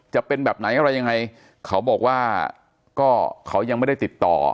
จะเป็นแบบไหนอะไรยังไงเขาบอกว่าก็เขายังไม่ได้ติดต่อ